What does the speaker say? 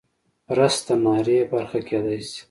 رس د ناري برخه کیدی شي